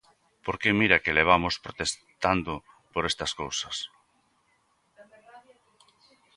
¡Porque mira que levamos protestando por estas cousas!